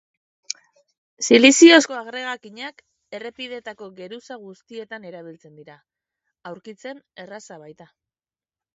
Siliziozko agregakinak errepideetako geruza guztietan erabiltzen dira, aurkitzen erraza baita.